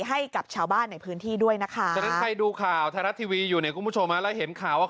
ให้กับชาวบ้านในพื้นที่ด้วยนะคะ